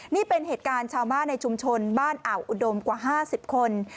นี่เป็นเหตุการณ์ชาวบ้านในชุมชนบ้านอ่าวอุดมกว่า๕๐คน